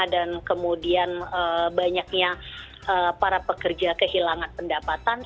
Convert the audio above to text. dan kemudian banyaknya para pekerja kehilangan pendapatan